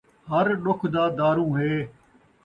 ہر ݙکھ دا داروں ہے